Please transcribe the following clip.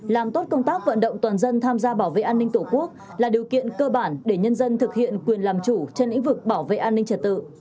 làm tốt công tác vận động toàn dân tham gia bảo vệ an ninh tổ quốc là điều kiện cơ bản để nhân dân thực hiện quyền làm chủ trên lĩnh vực bảo vệ an ninh trật tự